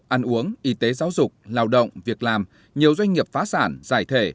ăn uống y tế giáo dục lao động việc làm nhiều doanh nghiệp phá sản giải thể